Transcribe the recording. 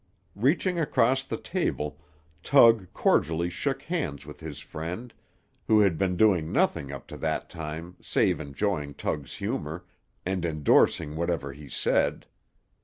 Reaching across the table, Tug cordially shook hands with his friend, who had been doing nothing up to that time save enjoying Tug's humor, and indorsing whatever he said.